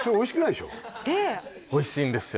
結構おいしいんですよ